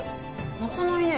泣かないね。